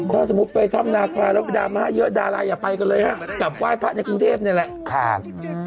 ถ้าสมมุติไปถ้ำนาคาแล้วดราม่าเยอะดาราอย่าไปกันเลยฮะกลับไหว้พระในกรุงเทพนี่แหละ